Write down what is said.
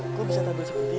kok bisa terjadi seperti itu